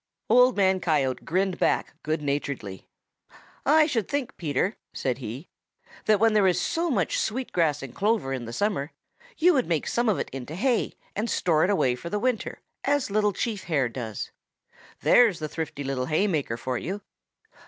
Old Man Coyote grinned back good naturedly. "I should think, Peter," said he, "that when there is so much sweet grass and clover in the summer, you would make some of it into hay and store it away for winter, as Little Chief Hare does. There's the thrifty little hay maker for you!"